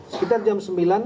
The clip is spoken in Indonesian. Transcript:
sekitar jam sembilan